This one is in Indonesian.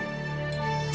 jika ada petunjuk